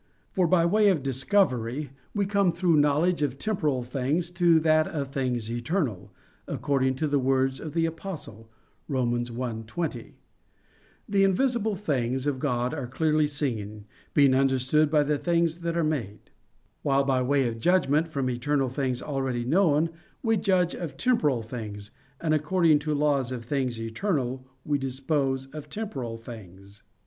For by way of discovery, we come through knowledge of temporal things to that of things eternal, according to the words of the Apostle (Rom. 1:20), "The invisible things of God are clearly seen, being understood by the things that are made": while by way of judgment, from eternal things already known, we judge of temporal things, and according to laws of things eternal we dispose of temporal things.